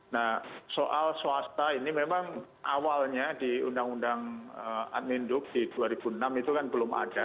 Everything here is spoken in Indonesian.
nah soal swasta ini memang awalnya di undang undang admin duk di dua ribu enam itu kan belum ada